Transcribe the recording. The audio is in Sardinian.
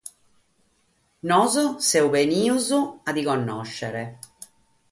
Nois semus bènnidos a ti connòschere.